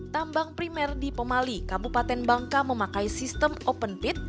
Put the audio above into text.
tambang primer di pemali kabupaten bangka memakai sistem open pit